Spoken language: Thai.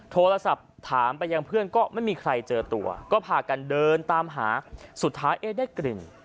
โทรศัพท์ถามไปยังเพื่อนก็ไม่มีใครเจอตัวก็พากันเดินตามหาสุดท้ายเอ๊ะได้กลิ่น